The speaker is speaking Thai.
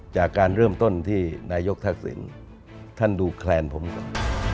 จากการเริ่มต้นที่นายกทักษิณท่านดูแคลนผมก่อน